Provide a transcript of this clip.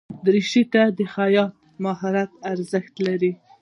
دریشي ته د خیاط مهارت ارزښت لري.